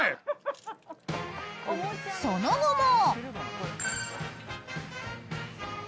［その後も］